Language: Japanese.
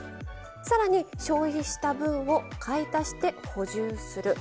さらに消費した分を買い足して補充する。